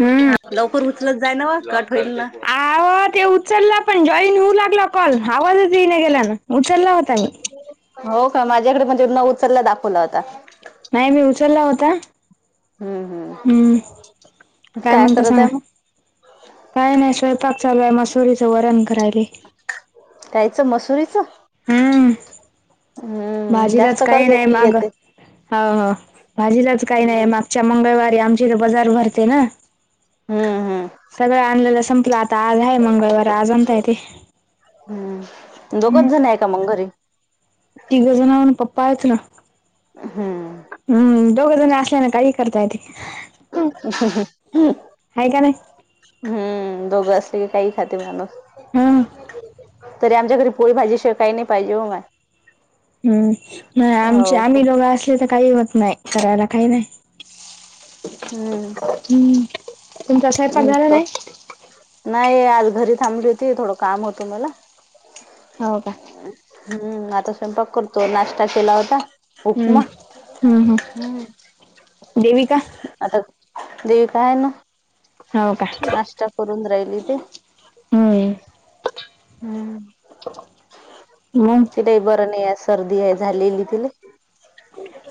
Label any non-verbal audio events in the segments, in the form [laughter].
हम्म हा लवकर उचलच जाय न्हवं, कट होईल ना. आहो ते उचलला पण जॉईन होऊ लागला कॉल, आवाजच येईने गेल्यान उचलला होता मी. हो का? माझ्याकडे पण तिथंन उचलला दाखवला होता. नाही मी उचलला होता, हम्म. काय म्हणत्यास करत आहे आणि? मग काय नाही स्वयंपाक चालू आहे, ‌मसुरीचं वरण करायले. कायचं मसुरीच? हम्म हम्म जास्त भाजीलाच काही कर्ज नाही मी माग. येते हो हो भाजीलाच काही नाही हम्म मागच्या मंगळवारी आमच्या इथं बजार भरते ना. हम्म. हम्म सगळं आणलेलं संपलं, आता आज आहे मंगळवार आज आणता येते. हम्म दोघच जण आहे का मग घरी? तिघ जण पप्पा आहेत ना हम्म हम्म दोघ जण असल्या ना काही करता येते. आहे का नाही हम्म दोघं असले की काही खाते माणूस. हम्म तरी आमच्या घरी पोळी भाजी शिवाय काही नाही पाहिजे व माय हम्म आमचे हो आम्ही दोघ असले तर काही होत नाही करायला काही नाही. हम्म हम्म तुमचा स्वयंपाक झाला नाही? नाही आज घरी थांबली होती थोडं काम होतं मला. हो का? हम्म आता स्वयंपाक करतो नाश्ता केला होता. हम्म. उपमा हम्म हम्म हम् देविका आता देव काय न नाश्ता करून राहिली ते हम् हम्म म [unintelligible] ते बरं नाही आहे सर्दी आहे झालेली तिले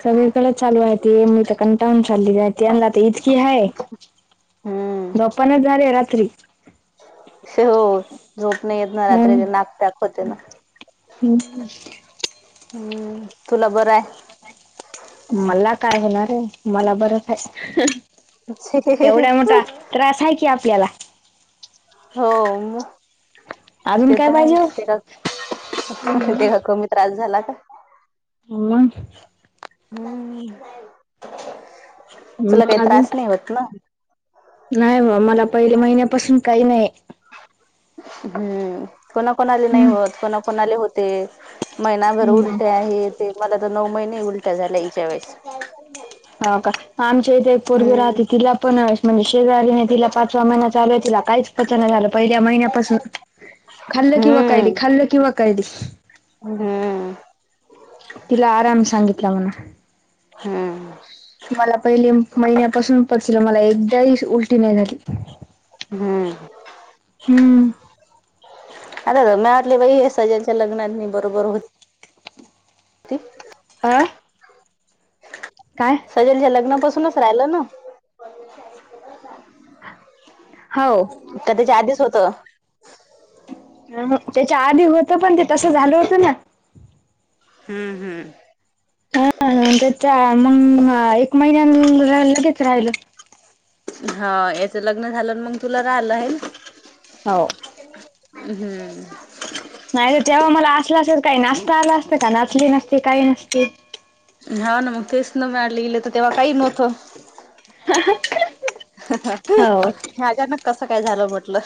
सगळीकडेच चालू आहे ते मी तर कंटाळून चाल्लि [unintelligible] कि हाय हम्म जोपना झाल्या रात्री. हो झोप नाही येत ना रात्री ते नाक पँक होते ना. हम् [unintelligible] हम्म तुला बरं आहे? मला काय होणार आहे मला बरंचय आहे एवढ्या मोठ्या त्रास हाय की आपल्याला. हो मग अजून ते काय तर पाहिजे आहेच ते हो का ते कमी त्रास झाला का? मंग? हमम तुला मग काही अजून त्रास नाही होत न? नाही बा मला पहिले महिन्यापासून काही नाही. हम्म कोणा कोणाले नाही हम्म. होत कोणा कोणाले होत ते महिनाभर हम्म. उलट्या हे ते मला तर नऊ महिने उलट्या झाल्या हीच्या वेळेस ह का आमच्या ईथे पोरवी हम्म राहते तिला पण म्हणजे शेजारी नाही [unintelligible] तिला पाचवा महिना चालूय तिला काहीच पच नाही झालं पहिल्या महिन्यापासून [unintelligible] [unintelligible] खाल्ल कि वकायली खाल्ल कि वकायली. हम [unintelligible] तिला आराम सांगितला म्हण. हम्म. मला पहिले महिन्यापासून पचलं मला एकदाही उलटी नाही झाली. हम्म हम्म. [unintelligible] च्या लग्नात मी बरोबर हो ती [unintelligible] अं काय? सेजलच्या लग्नापासूनच राहिलं न. हौ. क त्याच्या आधीच होतं? ह ह त्याच्या आधी होतं पण ते तसं झालं होतं न. हम् हम्. हा हा त्याच्या मग एक महिन्यान लगेच राहिलं. हा याच लग्न झालं मग तुला राहिलं हायन. हो. हम्म. नाही तर तेव्हा मला असला असेल काही नाचता आला असतं का नाचली नसती काही नसते हा न मग तेच न [unintelligible] इले त तेव्हा काही नव्हतं. [unintelligible] हे हो अचानक कसं काय झालं म्हटलं.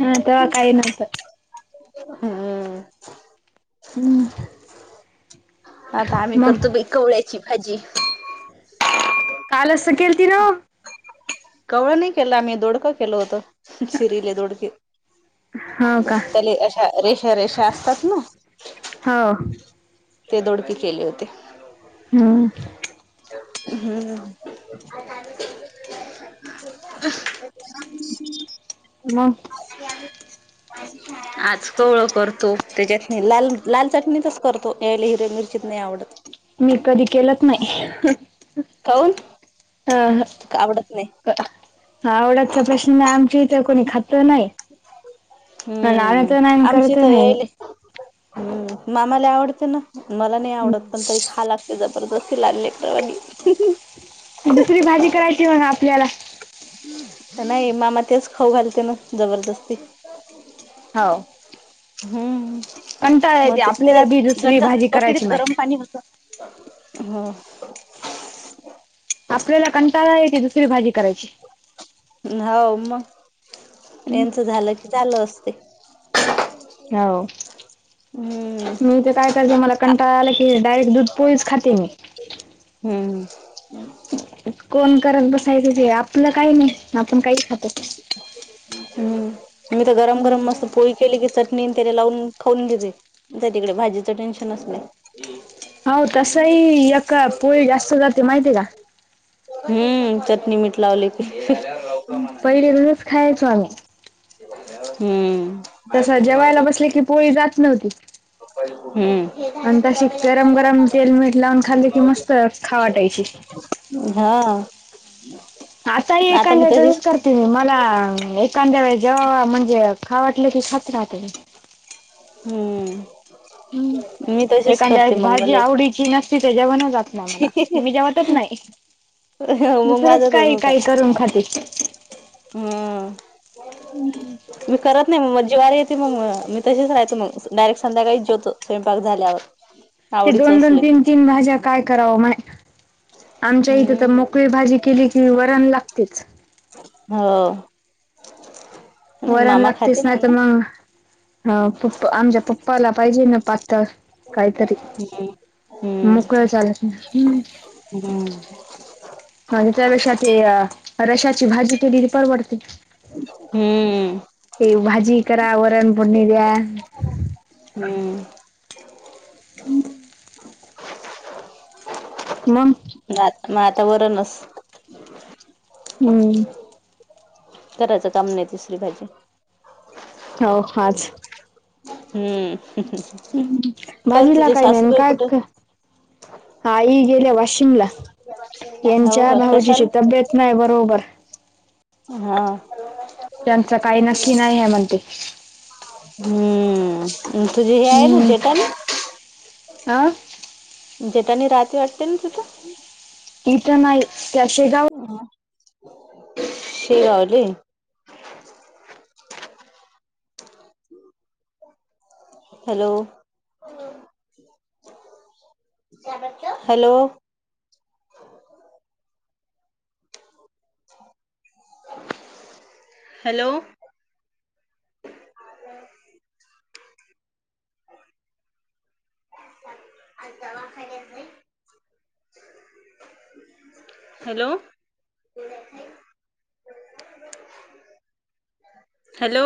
हा तेव्हा काही नव्हतं. हम्म. हम्म. आता आम्ही मग करतो बाई कवळ्याची भाजी. कालच तर केलती ना‌ ओ. कवळ नाही केलं आम्ही दोडकं केलं होतो. चिरीले दोडके. हो का त्याले अशा रेषा रेषा असतात ना. हो. ते दोडके केले होते. हा. हम्म. [inaudible] मग आज कवळ करतो त्याच्यात नाही लाल लाल चटणीचच करत तो याले हिरव्या मिरचीत नाही आवडत. मी कधी केलच नाही. काऊन? ह का आवडत नाही? आवडाचा प्रश्न नाही, आमच्या इथं कोणी खात नाही. मला हम्म आवडत नाही‌ आणि आमची करतही तर यायले नाही. हम्म, मामाला आवडते ना. मला नाही आवडत, पण तरीही खायाला लागते जबरदस्ती लहान लेकरावाणी. दुसरी भाजी करायची म्हणा आपल्याला. नाही मामा तेच खाऊ घालते ना जबरदस्ती. हो हम्म. कंटाळा येते मग ते आपल्याला बी त्याच्यात दुसरी गंजात भाजी करायची बकीतीत माय गरम पाणी होत [unintelligible] हा. आपल्याला कंटाळा आहे ती दुसरी भाजी करायची. हौ मग यांच झालं की चालू असते. हाव. हम्म. मी ते काय करायचे मला कंटाळाला की डायरेक्ट दूध पोळीच खाते मी. हम्म हम. कोण करत बसायचं ते, आपलं काही नाही आपण काहीही खातो. [inaudible] हम्म. मी तर गरम गरम मस्त पोळी केली की, चटणी त्याला लावून खाऊन घेते. तिकडे भाजीचं टेन्शनच नाही. हो. तसंही एक पोळी जास्त जाते माहितेय का? हम्म चटणी मीठ लावलं की. हम पहिले रोजच खायचो आम्ही. हम्म. तस जेवायला बसल की पोळी जात नव्हती. हम्म. आणि तशी गरम गरम तेल, मीठ लावून खाल्ली की मस्त खाऊ वाटायची. हा. आता हि मी एखांद्या वेळेस तशीच तसंच करते मी. मला एखांद्या वेळेस जेवावं म्हणजे खाव वाटलं की खात राहते मी. हम्म. मी हम् [unintelligible] तशीच एखांद्या करते वेळेस मग भाजी मला आवडीची नसती तर जेवणच जात नाही मला, ‌मी जेवतच नाही. मग दुसरंच काही काही करून खाती. हम् मी करत नाही मग म जीवारी येते मग मी तसेच राहतो मग, डायरेक्ट संध्याकाळीच जेवतो स्वयंपाक झाल्यावर. ते आवडीच दोन दोन, असलं की तीन तीन भाज्या काय करावं माय? आमच्या इथे तर हम्म मोकळी भाजी केली की वरण लागतेच. हो. वरण मामा लागतेच खाते नाही तर म्हणा मग ह प्पपा आमच्या पप्पाला पाहिजे ना पातळ. काहीतरीच हम्म मोकळ चालत हम हम्. आणि त्यापेक्षा ते रशाची भाजी केलेली परवडते. हम्म. ते भाजी करा, वरण फोडणी द्या. हम. [unintelligible] मग [unintelligible] मग आता वरणच. हम्म. करायचं काम नाही तिसरी भाजी हो आज. हम्म काय भाजीला तुझे काही नाही सासूबाई कुठेय? काय आई गेल्या वाशिमला हो यांच्या का भाऊजीची कशाला तब्येत नाही बरोबर. हा. त्यांच काही नक्की नाही आहे म्हणते. हम्म तुझी हे आहे ना जेठाणी आ? जेटानी राती वाटते ना तिथं? इथ नाही त्या शेगाव शेगावले. Hello! Hello! Hello! [unintelligible] Hello. Hello.